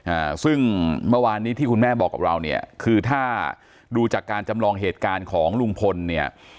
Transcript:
อ่าซึ่งเมื่อวานนี้ที่คุณแม่บอกกับเราเนี่ยคือถ้าดูจากการจำลองเหตุการณ์ของลุงพลเนี่ย